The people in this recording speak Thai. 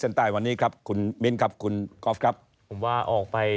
ใต้วันนี้ครับคุณมิ้นครับคุณกอล์ฟครับผมว่าออกไป